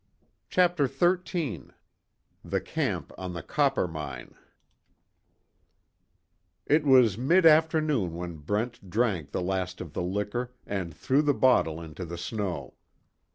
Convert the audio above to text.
CHAPTER XIII THE CAMP ON THE COPPERMINE It was mid afternoon when Brent drank the last of the liquor and threw the bottle into the snow.